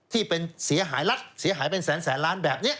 ที่เป็นเสียหายรัฐเสียหายเป็นแสนล้านแบบนี้